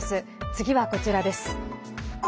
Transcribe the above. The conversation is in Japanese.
次はこちらです。